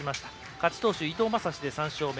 勝ち投手、伊藤将司で３勝目。